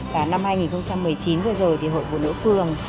và năm hai nghìn một mươi chín vừa rồi thì hội phụ nữ phường